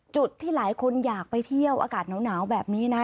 จุดที่หลายคนอยากไปเที่ยวอากาศหนาวแบบนี้นะ